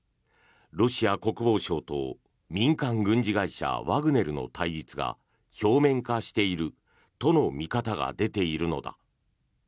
ロシア国防省と民間軍事会社ワグネルの対立が表面化しているとの見方が出ているのだ。